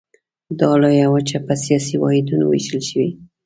دا لویه وچه په سیاسي واحدونو ویشل شوې.